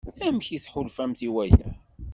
Amek i tḥulfamt i waya?